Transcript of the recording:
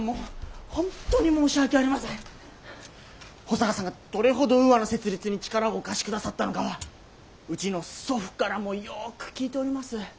保坂さんがどれほどウーアの設立に力をお貸しくださったのかはうちの祖父からもよく聞いております。